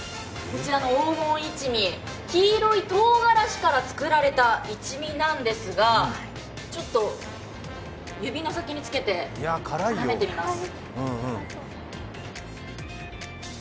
こちらの黄金一味黄色いとうがらしから作られた一味なんですがちょっと指の先につけてなめてみます。